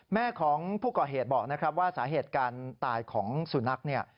แม่ของผู้ก่อเหตุบอกนะครับว่าสาเหตุการตายของสุนัขเนี่ย